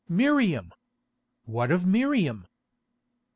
"Miriam! What of Miriam?"